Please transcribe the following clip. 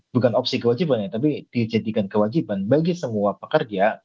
bukan opsi kewajibannya tapi dijadikan kewajiban bagi semua pekerja